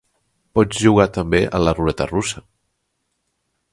Pots jugar també a la ruleta russa.